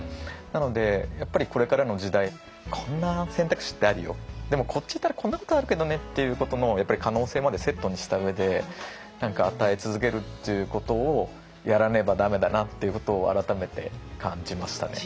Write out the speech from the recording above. なのでやっぱりこれからの時代こんな選択肢ってあるよでもこっち行ったらこんなことあるけどねっていうことのやっぱり可能性までセットにした上で何か与え続けるっていうことをやらねば駄目だなっていうことを改めて感じましたね。